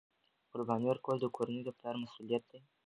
قرباني ورکول د کورنۍ د پلار مسؤلیت دی.